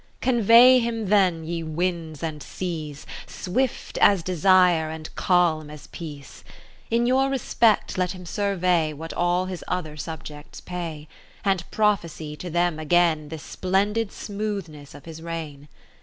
Convey him then, ye Winds and Seas, Swift as Desire and calm as Peace. In your respect let him survey What all his other subjects pay ; And prophesy to them again 'rhes[)lendi(l smoothness ofhisreign.